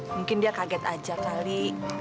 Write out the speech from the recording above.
mungkin dia kaget aja kali